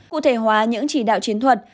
cụ thể hóa những chỉ đạo chiến thuật